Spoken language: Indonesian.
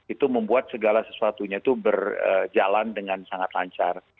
itu membuat segala sesuatunya itu berjalan dengan sangat lancar